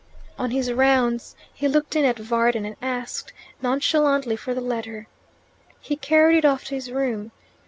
On his rounds he looked in at Varden and asked nonchalantly for the letter. He carried it off to his room.